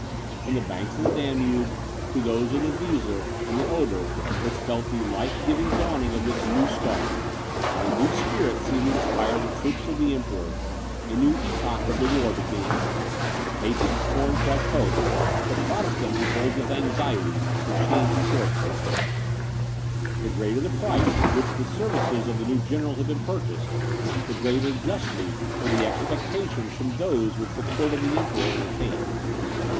From the banks of the Danube, to those of the Weser and the Oder, was felt the life giving dawning of this new star; a new spirit seemed to inspire the troops of the emperor, a new epoch of the war began. The Papists form fresh hopes, the Protestant beholds with anxiety the changed course of affairs. The greater the price at which the services of the new general had been purchased, the greater justly were the expectations from those which the court of the Emperor entertained.